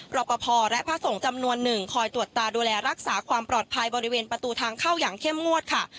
รอปภและพระสงฆ์จำนวนหนึ่งคอยตรวจตาดูแลรักษาความปลอดภัยบริเวณประตูทางเข้าอย่างเข้มงวดค่ะ